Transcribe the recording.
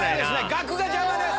額が邪魔です。